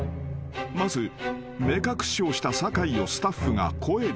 ［まず目隠しをした酒井をスタッフが声で誘導］